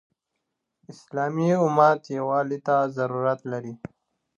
اسلامي امت يووالي ته ضرورت لري.